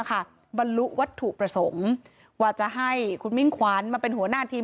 บรรลุวัตถุประสงค์ว่าจะให้คุณมิ่งขวัญมาเป็นหัวหน้าทีม